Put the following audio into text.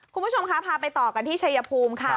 คุณผู้ชมคะพาไปต่อกันที่ชัยภูมิค่ะ